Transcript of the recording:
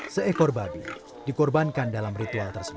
seekor babi dikorbankan dalam ritual tersebut